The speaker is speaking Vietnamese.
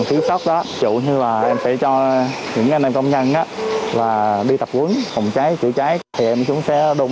lực lượng cảnh sát phòng cháy chữa cháy và cứu nạn